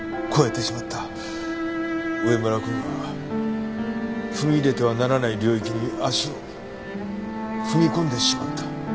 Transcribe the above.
上村君は踏み入れてはならない領域に足を踏み込んでしまった。